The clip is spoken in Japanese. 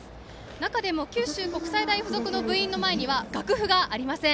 中でも九州国際大付属の部員の前には楽譜がありません。